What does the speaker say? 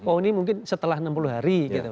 oh ini mungkin setelah enam puluh hari gitu